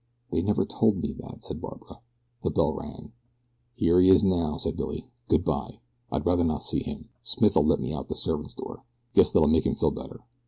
"They never told me that," said Barbara. The bell rang. "Here he is now," said Billy. "Good bye I'd rather not see him. Smith'll let me out the servants' door. Guess that'll make him feel better.